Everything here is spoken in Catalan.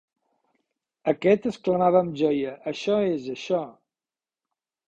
Aquest exclamava amb joia: Això és això.